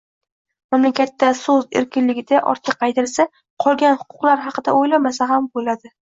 Mamlakatda so‘z erkinligida ortga qaytilsa, qolgan huquqlar haqida o‘ylamasa ham bo‘ladi.